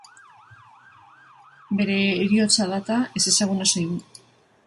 Bere heriotza data ezezaguna zaigu.